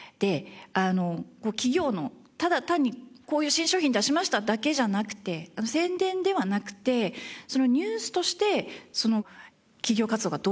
あの企業のただ単に「こういう新商品出しました」だけじゃなくて宣伝ではなくてニュースとしてその企業活動がどうなのか。